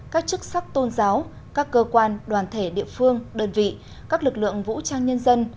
các chức sắc tôn giáo các cơ quan đoàn thể địa phương đơn vị các lực lượng vũ trang nhân dân